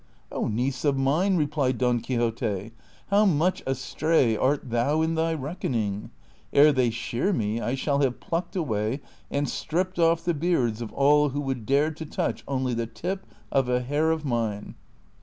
'^" Oh, niece of mine," replied Don Quixote, '' how much astray art thou in thy reckoning : ere they shear me I shall have plucked away and stripped off the beards of all who would dare to touch only the tip of a hair of mine."